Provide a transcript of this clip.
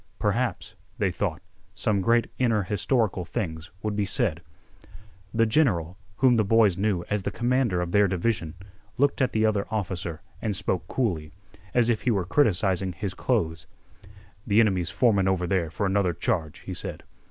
Perhaps, they thought, some great inner historical things would be said. The general, whom the boys knew as the commander of their division, looked at the other officer and spoke coolly, as if he were criticising his clothes. "Th' enemy's formin' over there for another charge," he said.